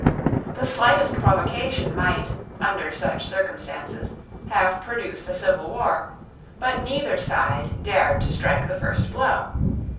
The slightest provocation might, under such circumstances, have produced a civil war; but neither side dared to strike the first blow.